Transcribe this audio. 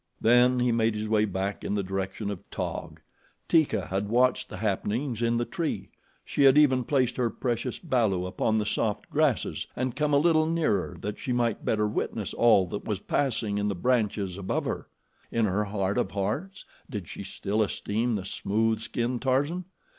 Then he made his way back in the direction of Taug. Teeka had watched the happenings in the tree. She had even placed her precious balu upon the soft grasses and come a little nearer that she might better witness all that was passing in the branches above her. In her heart of hearts did she still esteem the smooth skinned Tarzan?